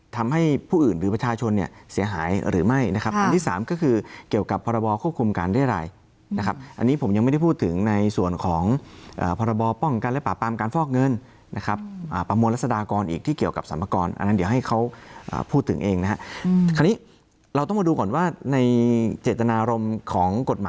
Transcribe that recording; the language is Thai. ทำให้ผู้อื่นหรือประชาชนเนี่ยเสียหายหรือไม่นะครับอันที่สามก็คือเกี่ยวกับพรบควบคุมการเรียรัยนะครับอันนี้ผมยังไม่ได้พูดถึงในส่วนของพรบป้องกันและปราบปรามการฟอกเงินนะครับประมวลรัศดากรอีกที่เกี่ยวกับสรรพากรอันนั้นเดี๋ยวให้เขาพูดถึงเองนะฮะคราวนี้เราต้องมาดูก่อนว่าในเจตนารมณ์ของกฎหมาย